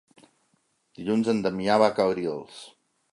Dilluns en Damià va a Cabrils.